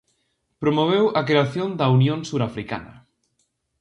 Promoveu a creación da Unión Surafricana.